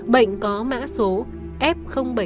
bệnh có mã số f bảy mươi